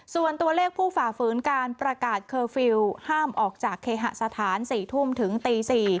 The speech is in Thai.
ส่วนตัวเลขผู้ฝ่าฝืนการประกาศเคอร์ฟิลล์ห้ามออกจากเคหสถาน๔ทุ่มถึงตี๔